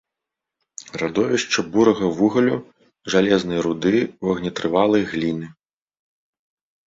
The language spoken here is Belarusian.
Радовішча бурага вугалю, жалезнай руды, вогнетрывалай гліны.